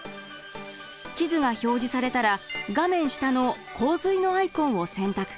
地図が表示されたら画面下の洪水のアイコンを選択。